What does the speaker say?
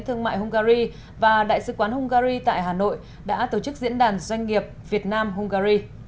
thương mại hungary và đại sứ quán hungary tại hà nội đã tổ chức diễn đàn doanh nghiệp việt nam hungary